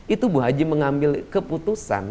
itu bu haji mengambil keputusan